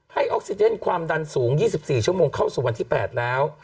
ออกซิเจนความดันสูง๒๔ชั่วโมงเข้าสู่วันที่๘แล้ว